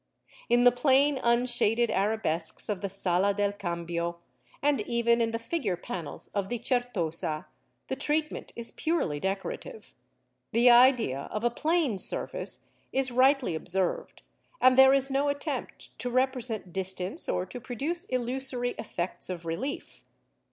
In the plain unshaded arabesques of the Sala del Cambio, and even in the figure panels of the Certosa, the treatment is purely decorative; the idea of a plane surface is rightly observed, and there is no attempt to represent distance or to produce illusory effects of relief.